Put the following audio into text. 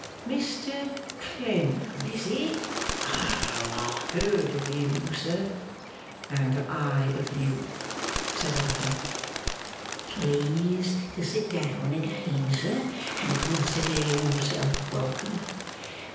'Mr Clennam, is it? Oh! I've heard of you, Sir.' 'And I of you,' said Arthur. 'Please to sit down again, Sir, and consider yourself welcome.